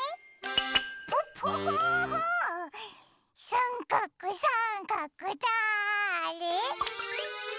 さんかくさんかくだれ？